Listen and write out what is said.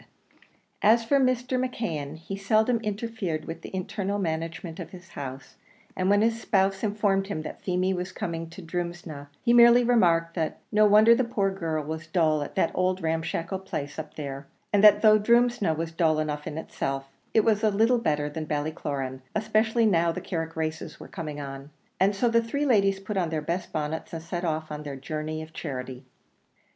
And as for Mr. McKeon, he seldom interfered with the internal management of his house, and when his spouse informed him that Feemy was coming to Drumsna, he merely remarked that "no wonder the poor girl was dull at that old ramshackle place up there, and that though Drumsna was dull enough itself, it was a little better than Ballycloran, especially now the Carrick races were coming on;" and so the three ladies put on their best bonnets and set off on their journey of charity.